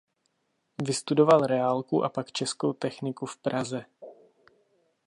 Vystudoval reálku a pak českou techniku v Praze.